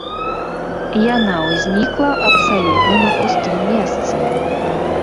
Яна ўзнікла абсалютна на пустым месцы.